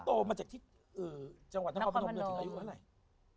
ตกมาจากที่จังหวัดนครพนมถึงอายุเมื่อนักไหล่